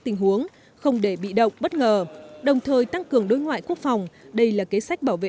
tình huống không để bị động bất ngờ đồng thời tăng cường đối ngoại quốc phòng đây là kế sách bảo vệ